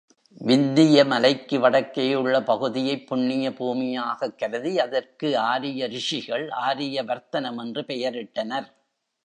விந்திய மலைக்கு வடக்கேயுள்ள பகுதியைப் புண்ணிய பூமியாகக் கருதி, அதற்கு ஆரிய ரிஷிகள் ஆரிய வர்த்தனம் என்று பெயரிட்டனர்.